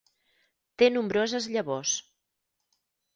Té nombroses llavors.